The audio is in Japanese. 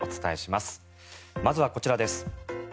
まずはこちらです。